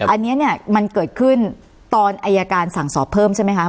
อันนี้เนี่ยมันเกิดขึ้นตอนอายการสั่งสอบเพิ่มใช่ไหมคะ